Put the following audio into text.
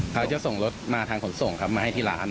เขาจะส่งรถมาทางขนส่งครับมาให้ที่ร้าน